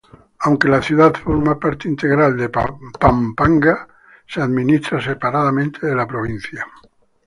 Aunque la ciudad forma parte integral de Pampanga, se administra separadamente de la provincia.